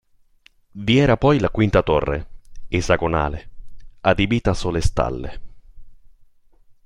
Vi era poi la quinta torre, esagonale, adibita a sole stalle.